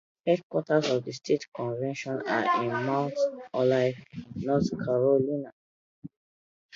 Headquarters of the State Convention are in Mount Olive, North Carolina.